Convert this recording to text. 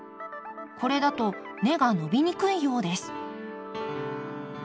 これだと根が伸びにくいようです。